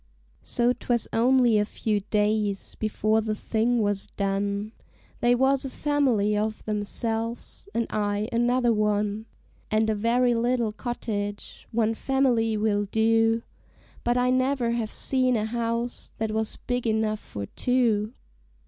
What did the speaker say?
So 'twas only a few days before the thing was done They was a family of themselves, and I another one; And a very little cottage one family will do, But I never have seen a house that was big enough for two.